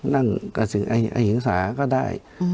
นั่งอาหิงสาก็ได้